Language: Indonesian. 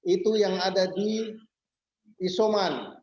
itu yang ada di isoman